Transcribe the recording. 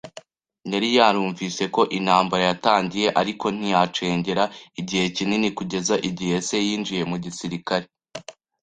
Yari yarumvise ko intambara yatangiye, ariko ntiyacengera igihe kinini kugeza igihe se yinjiye mu gisirikare.